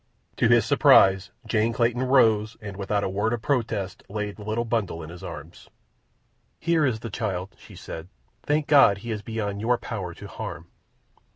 To his surprise Jane Clayton rose and, without a word of protest, laid the little bundle in his arms. "Here is the child," she said. "Thank God he is beyond your power to harm."